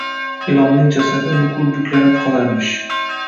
Ilonning jasadi, nuqul buklanib qolarmish.